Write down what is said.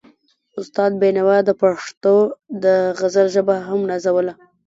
استاد بينوا د پښتو د غزل ژبه هم نازوله.